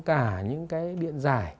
cả những cái điện giải